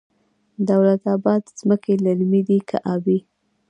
دولت اباد ځمکې للمي دي که ابي؟